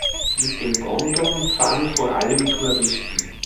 Mit den Gondeln fahren vor allem Touristen.